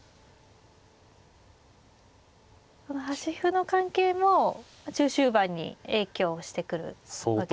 この端歩の関係も中終盤に影響してくるわけですね。